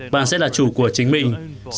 bạn sẽ là chủ của chính mình